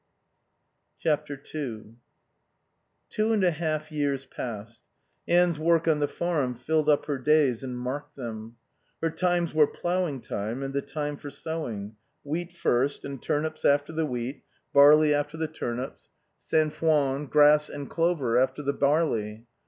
ii Two and a half years passed. Anne's work on the farm filled up her days and marked them. Her times were ploughing time and the time for sowing: wheat first, and turnips after the wheat, barley after the turnips, sainfoin, grass and clover after the barley.